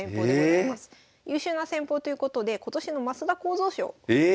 優秀な戦法ということで今年の升田幸三賞を受賞しました。